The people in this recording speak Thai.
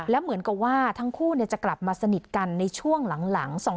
และเหมือนกับว่าทั้งคู่จะกลับมาสนิทกันในช่วงหลัง